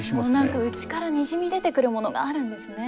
何か内からにじみ出てくるものがあるんですね。